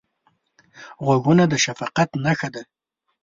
غوږونه د شفقت نښه ده